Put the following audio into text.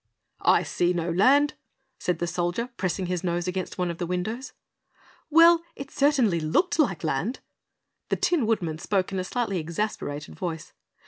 "I see no land," said the Soldier pressing his nose against one of the windows. "Well, it certainly looked like land!" The Tin Woodman spoke in a slightly exasperated voice.